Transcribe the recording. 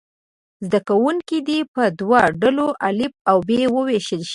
زده کوونکي دې په دوو ډلو الف او ب وویشل شي.